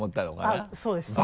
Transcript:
あっそうです